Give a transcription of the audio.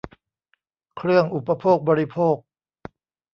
เครื่องอุปโภคบริโภค